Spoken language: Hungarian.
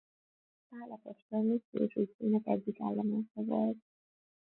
Pál apostol missziós útjának egyik állomása volt.